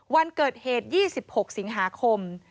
วันเกิดเหตุ๒๖สิงหาคม